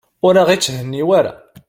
Ur aɣ-itthenni ara.